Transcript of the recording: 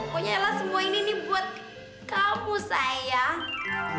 pokoknya adalah semua ini nih buat kamu sayang